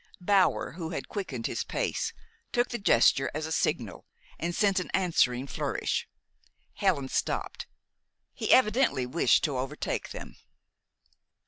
Bower, who had quickened his pace, took the gesture as a signal, and sent an answering flourish. Helen stopped. He evidently wished to overtake them.